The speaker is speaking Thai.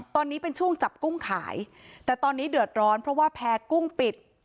ตอนนี้เป็นช่วงจับกุ้งขายแต่ตอนนี้เดือดร้อนเพราะว่าแพ้กุ้งปิด